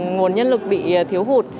nguồn nhân lực bị thiếu hụt